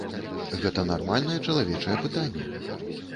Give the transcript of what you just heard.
Гэта нармальнае чалавечае пытанне.